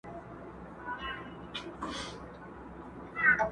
په دريو مياشتو كي به ډېر كم بې لاسونو٫